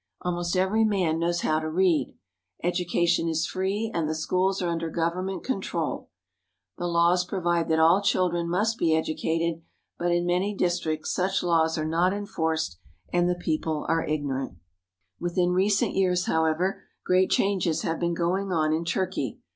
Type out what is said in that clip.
Almost every man knows how to read. Educa tion is free and the schools are under government control. The laws provide that all children must be educated, but in many districts such laws are not enforced and the people are ignorant. Turkish Soldiers at a Railway Station. Within recent years, however, great changes have been going on in Turkey.